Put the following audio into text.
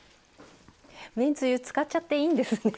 めんつゆ使っちゃっていいんですね。